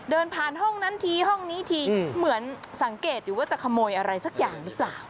เดินผ่านห้องนั้นทีห้องนี้ทีเหมือนสังเกตอยู่ว่าจะขโมยอะไรสักอย่างหรือเปล่า